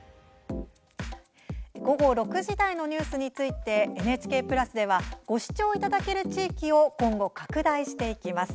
午後６時台のニュースについて、ＮＨＫプラスではご視聴いただける地域を今後、拡大していきます。